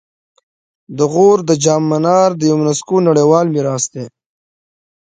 د غور د جام منار د یونسکو نړیوال میراث دی